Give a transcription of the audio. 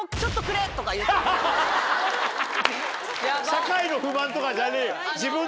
社会の不満とかじゃねえよ。